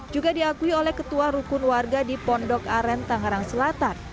juga diakui oleh ketua rukun warga di pondok aren tangerang selatan